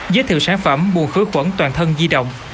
giới thiệu sản phẩm buồn khử khuẩn toàn thân di động